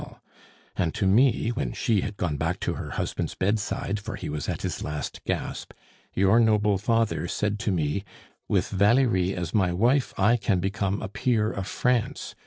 And to me, when she had gone back to her husband's bedside, for he was at his last gasp, your noble father said to me, 'With Valerie as my wife, I can become a peer of France!